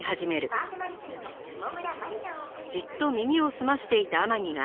「パーソナリティーのシモムラマリがお送りします」